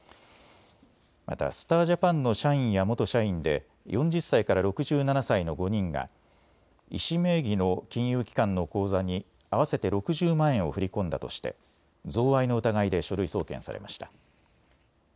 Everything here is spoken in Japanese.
またスター・ジャパンの社員や元社員で４０歳から６７歳の５人が医師名義の金融機関の口座に合わせて６０万円を振り込んだとして贈賄の疑いで書類送検されました。